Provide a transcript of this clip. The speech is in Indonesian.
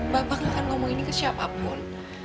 bapak tidak akan mengomongi ini ke siapapun